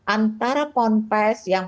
antara konfes yang